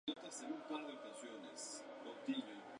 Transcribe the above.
El Banco que ha certificado un cheque asume la obligación de pagarlo.